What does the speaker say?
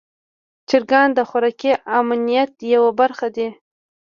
چرګان د خوراکي امنیت یوه برخه دي.